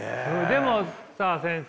でもさ先生。